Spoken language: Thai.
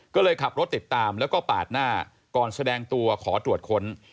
ก็เลยขับรถติดตามแล้วก็ปาดหน้าก่อนแสดงตัวขอตรวจค้น